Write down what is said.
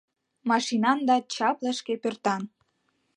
Машинан да чапле шке пӧртан.